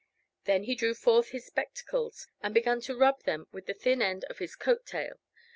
Then he drew forth his spectacles, and began to rub them with the thin end of his coat tail.